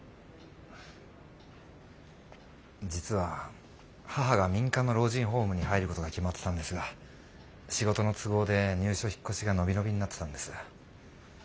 実は母が民間の老人ホームに入る事が決まってたんですが仕事の都合で入所引っ越しが延び延びになってたんです。